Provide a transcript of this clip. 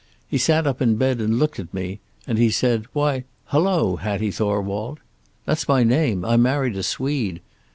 He sat up in bed and looked at me, and he said, 'Why, hello, Hattie Thorwald.' That's my name. I married a Swede.